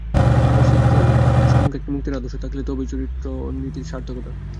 মানুষের সম্মুখে একটি মুক্তির আদর্শ থাকিলে তবেই চারিত্র-নীতির সার্থকতা।